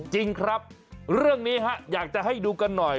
จริงครับเรื่องนี้อยากจะให้ดูกันหน่อย